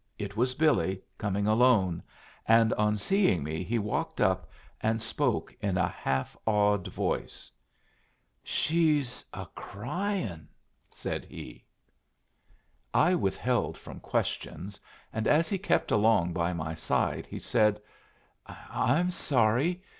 It was Billy, coming alone, and on seeing me he walked up and spoke in a half awed voice. "She's a crying," said he. I withheld from questions, and as he kept along by my side he said: "I'm sorry.